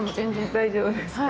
大丈夫ですか。